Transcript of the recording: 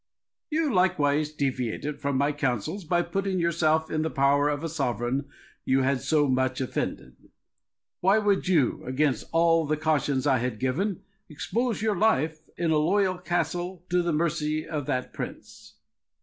You likewise deviated from my counsels, by putting yourself in the power of a sovereign you had so much offended. Why would you, against all the cautions I had given, expose your life in a loyal castle to the mercy of that prince?